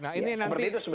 nah ini nanti